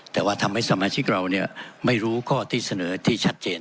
แต่ว่าทำให้สมาชิกเราไม่รู้ข้อที่เสนอที่ชัดเจน